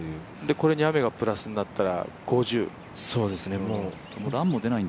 これに雨がプラスになったら５０。